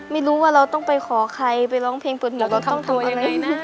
ไม่รู้ว่าเราต้องไปขอใครไปร้องเพลงเปิดหมวกเราต้องทำอะไร